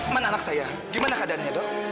mana anak saya gimana keadaannya dok